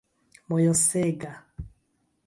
mojosega